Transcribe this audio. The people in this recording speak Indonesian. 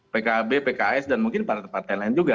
pkb pks dan mungkin partai partai lain juga